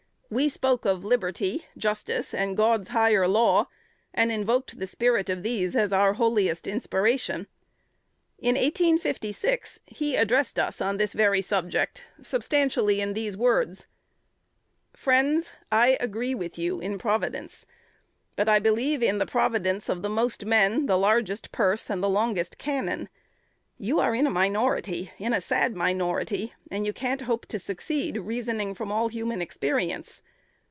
We spoke of liberty, justice, and God's higher law, and invoked the spirit of these as our holiest inspiration. In 1856 he addressed us on this very subject, substantially in these words: "'Friends, I agree with you in Providence; but I believe in the providence of the most men, the largest purse, and the longest cannon. You are in the minority, in a sad minority; and you can't hope to succeed, reasoning from all human experience.